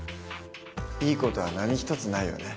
いい事は何一つないよね。